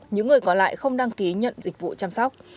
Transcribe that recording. những người còn lại không đăng ký nhận dịch vụ chăm sóc